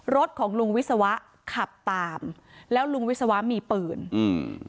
ของลุงวิศวะขับตามแล้วลุงวิศวะมีปืนอืม